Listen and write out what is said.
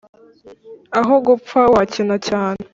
Aho gupfa wakena cyane